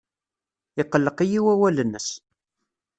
Iqelleq-iyi wawal-nnes.